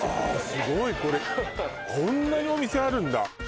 すごいこれこんなにお店あるんだ？